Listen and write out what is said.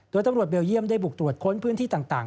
โดยตำรวจเบลเยี่ยมได้บุกตรวจค้นพื้นที่ต่าง